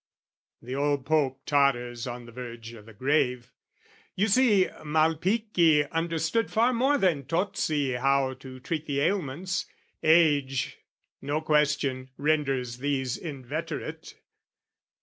"The old Pope totters on the verge o' the grave: "You see, Malpichi understood far more "Than Tozzi how to treat the ailments: age, "No question, renders these inveterate.